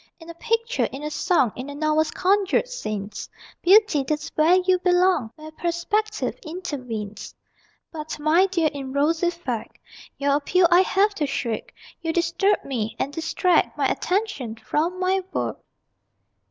In a picture, in a song, In a novel's conjured scenes, Beauty, that's where you belong, Where perspective intervenes. But, my dear, in rosy fact Your appeal I have to shirk You disturb me, and distract My attention from my work!